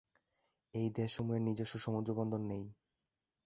এই দেশসমূহের নিজস্ব সমুদ্রবন্দর নেই।